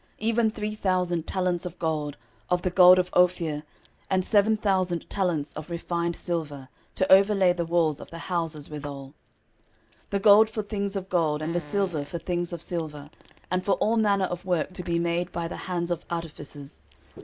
13:029:004 Even three thousand talents of gold, of the gold of Ophir, and seven thousand talents of refined silver, to overlay the walls of the houses withal: 13:029:005 The gold for things of gold, and the silver for things of silver, and for all manner of work to be made by the hands of artificers.